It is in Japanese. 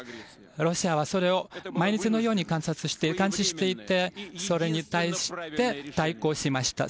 ロシアはそれを毎日のように観察していて監視しててそれに対して対抗しました。